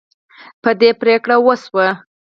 په دې پریکړه وشوه.